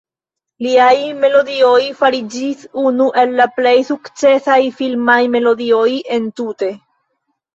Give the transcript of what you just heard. Liaj melodioj fariĝis unu el la plej sukcesaj filmaj melodioj entute.